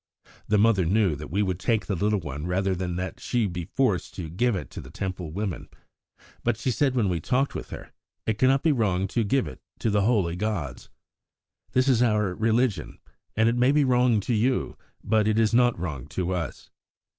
The mother knew that we would take the little one rather than that she should be forced to give it up to Temple women; but she said when we talked with her: 'It cannot be wrong to give it to the holy gods! This is our religion; and it may be wrong to you, but it is not wrong to us.'